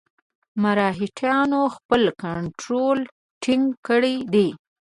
مرهټیانو خپل کنټرول ټینګ کړی دی.